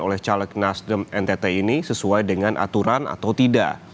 oleh caleg nasdem ntt ini sesuai dengan aturan atau tidak